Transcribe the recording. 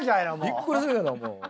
びっくりするやろもう。